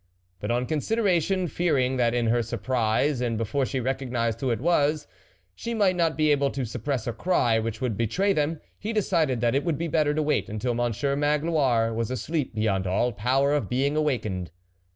But on con sideration, fearing that in her surprise, and before she recognised who it was, she might not be able to suppress a cry which would betray them, he decided that it would be better to wait until Monsieur Magloire was asleep beyond all power of being awakened.